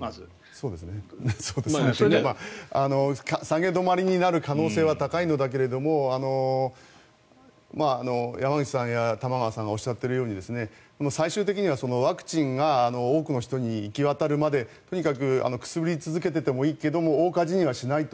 下げ止まりになる可能性は高いのだけれども山口さんや玉川さんがおっしゃってるように最終的にはワクチンが多くの人に行き渡るまでとにかくくすぶり続けてもいいけれども大火事にはしないと。